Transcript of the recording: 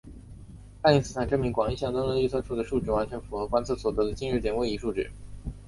爱因斯坦证明了广义相对论预测出的数值完全符合观测所得的近日点位移数值。